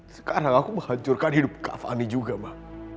sekarang aku menghancurkan hidup kak fani juga mak